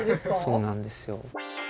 そうなんですよ。